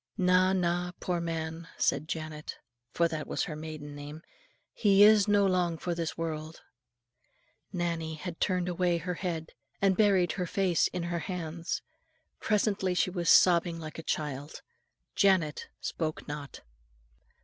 "Na, na, poor man," said Janet, for that was her maiden name, "he is no long for this world." Nannie had turned away her head, and buried her face in her hands. Presently she was sobbing like a child. Janet spoke not.